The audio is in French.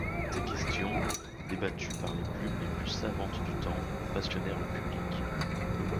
Ces questions, débattues par les plumes les plus savantes du temps, passionnèrent le public.